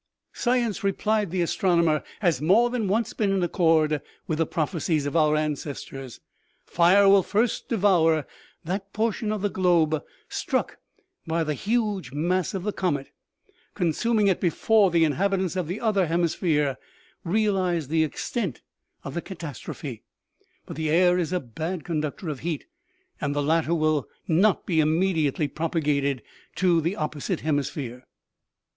"" Science," replied the astronomer, u has more than once been in accord with the prophecies of our ancestors. Fire will first devour that portion of the globe struck by the huge mass of the comet, consuming it before the inhabi tants of the other hemisphere realize the extent of the catastrophe ; but the air is a bad conductor of heat, and the latter will not be immediately propagated to the oppo site hemisphere.